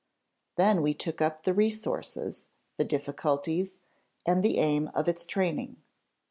Then we took up the resources, the difficulties, and the aim of its training.